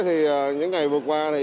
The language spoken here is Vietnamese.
thì những ngày vừa qua